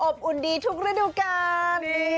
อุ่นดีทุกฤดูกาล